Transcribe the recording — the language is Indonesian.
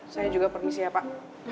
saya juga permisi ya pak